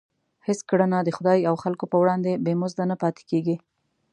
هېڅ کړنه د خدای او خلکو په وړاندې بې مزده نه پاتېږي.